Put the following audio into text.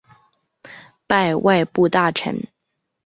拜外部大官。